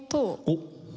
おっ！